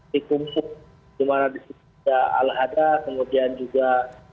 di kumpul di mana disitu ada kemudian juga